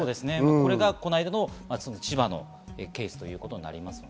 それがこの間の千葉のケースということになります。